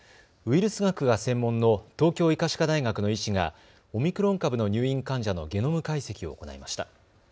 ウイルス学が専門の東京医科歯科大学の医師がオミクロン株の入院患者のゲノム解析を行いました。